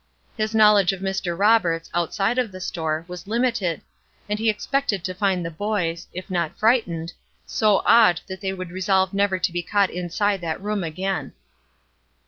His knowledge of Mr. Roberts, outside of the store, was limited, and he expected to find the boys, if not frightened, so awed that they would resolve never to be caught inside that room again.